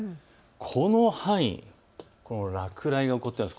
この範囲、落雷が起こっています。